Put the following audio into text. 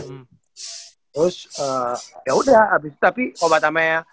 terus yaudah abis itu tapi kobat namanya